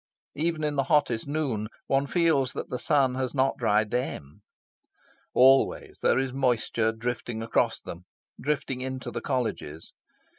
Even in hottest noon, one feels that the sun has not dried THEM. Always there is moisture drifting across them, drifting into the Colleges.